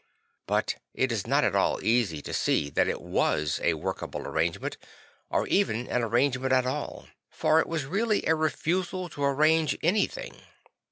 But it is not at all easy to see that it was a work able arrangement or even an arrangement at all; for it was really a refusal to arrange anything.